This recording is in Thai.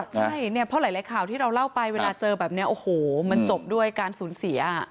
ใช่เนี่ยเพราะหลายข่าวที่เราเล่าไปเวลาเจอแบบนี้โอ้โหมันจบด้วยการสูญเสีย